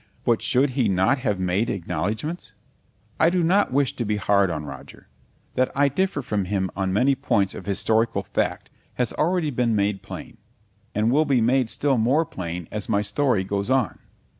But should he not have made acknowledgments? I do not wish to be hard on Roger. That I differ from him on many points of historical fact has already been made plain, and will be made still more plain as my story goes on.